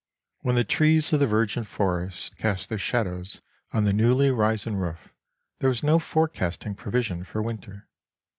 When the trees of the virgin forest cast their shadows on the newly risen roof there was no forecasting provision for winter.